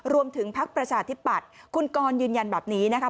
รวมถึงภักดิ์ประชาธิบัติคุณกรยืนยันแบบนี้นะคะ